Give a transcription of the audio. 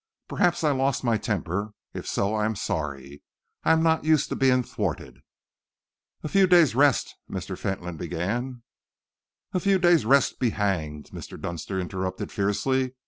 Perhaps I lost my temper. If so, I am sorry. I am not used to being thwarted." "A few days' rest " Mr. Fentolin began. "A few days' rest be hanged!" Mr. Dunster interrupted fiercely.